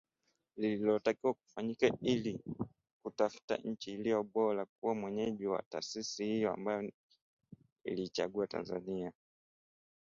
lililotakiwa kufanyika ili kutafuta nchi iliyo bora kuwa mwenyeji wa taasisi hiyo, ambayo iliichagua Tanzania